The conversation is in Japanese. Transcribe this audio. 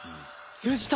通じた！